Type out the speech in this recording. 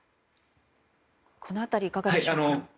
この辺りいかがでしょうか。